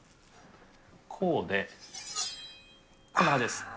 こうで、こんな感じです。